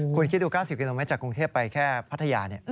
คุณคิดดู๙๐กิโลเมตรจากกรุงเทพไปแค่พัทยา